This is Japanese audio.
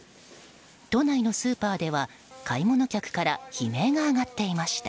都内のスーパーでは買い物客から悲鳴が上がっていました。